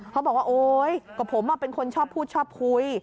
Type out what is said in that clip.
เขาบอกว่าโอ๊ยก็ผมเป็นคนชอบพูดชอบคุย